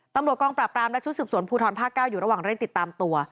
กองปราบปรามและชุดสืบสวนภูทรภาค๙อยู่ระหว่างเร่งติดตามตัว